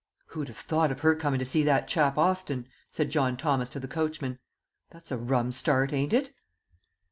"Who'd have thought of her coming to see that chap Hostin?" said John Thomas to the coachman. "That's a rum start, ain't it?"